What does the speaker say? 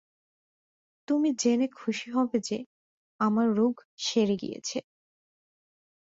তুমি জেনে খুশী হবে যে, আমার রোগ সেরে গিয়েছে।